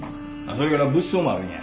それから物証もあるんや。